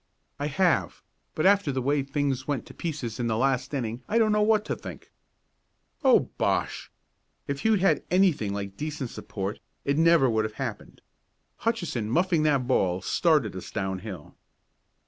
"I have, but after the way things went to pieces in the last inning I don't know what to think." "Oh, bosh! If you'd had anything like decent support it never would have happened. Hutchinson muffing that ball started us down hill."